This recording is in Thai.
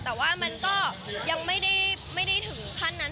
แต่ว่ามันก็ยังไม่ได้ถึงขั้นนั้น